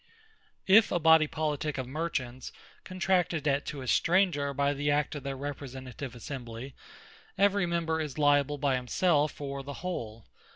If a Body Politique of Merchants, contract a debt to a stranger by the act of their Representative Assembly, every Member is lyable by himself for the whole.